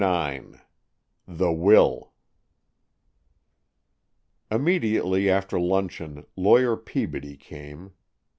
IX THE WILL Immediately after luncheon Lawyer Peabody came.